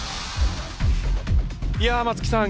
いや松木さん